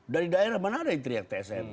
dari daerah mana ada yang teriak tsm